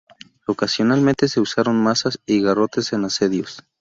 Ocasionalmente se usaron mazas y garrotes en asedios.